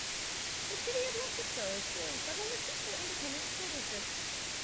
The City of Latexo is served by the Latexo Independent School District.